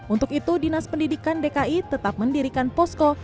untuk itu dinas pendidikan dki tetap mendirikan posko